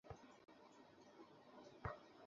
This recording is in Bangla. আর শোন, একটা কথা বলতেই ভুলে গেছি।